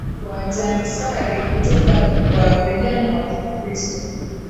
wa janisari kutoka kwa vijana wa Kikristo